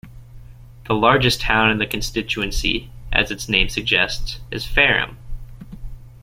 The largest town in the constituency, as the name suggests, is Fareham.